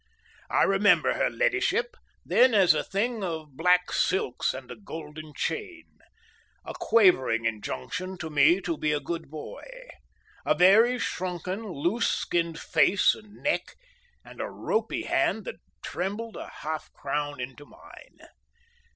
I remember her "leddyship" then as a thing of black silks and a golden chain, a quavering injunction to me to be a good boy, a very shrunken loose skinned face and neck, and a ropy hand that trembled a halfcrown into mine.